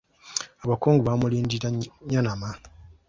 Abakungu baamulindira Nnyanama.